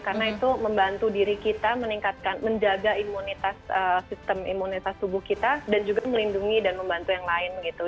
karena itu membantu diri kita meningkatkan menjaga imunitas sistem imunitas tubuh kita dan juga melindungi dan membantu yang lain gitu